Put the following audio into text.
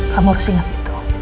kamu harus ingat itu